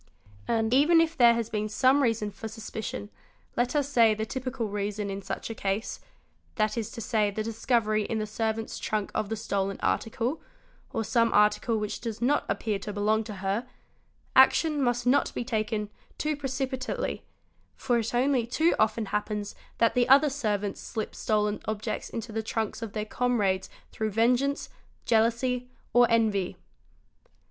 And even if there has been some reason for suspicion, let us say the typical reason in such a case, that is to say the discovery in the servant's trunk of the stolen article, or some article which does not appear to belong to her, action must not be taken too precipitately, for it only too often happens that other servants slip stolen objects into the trunks ; of their comrades through vengeance, jealousy, or envy.